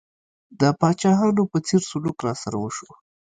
د پاچاهانو په څېر سلوک راسره وشو.